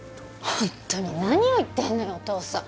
本当に何を言ってんのよお父さん。